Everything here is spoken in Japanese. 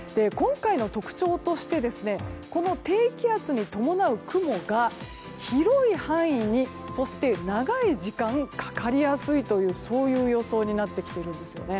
今回の特徴としてこの低気圧に伴う雲が広い範囲にそして長い時間かかりやすいという予想になってきているんです。